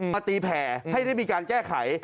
มาตีแผลให้ได้มีการแจ้ะไข